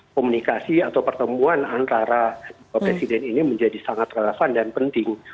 komunikasi atau pertemuan antara presiden ini menjadi sangat relevan dan penting